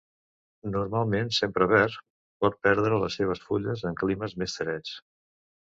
Normalment sempre verd, pot perdre les seves fulles en climes més freds.